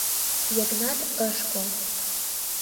Йыгнат ыш кол.